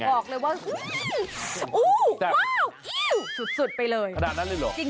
บอกเลยว่าฮืมอูวว้าวอิว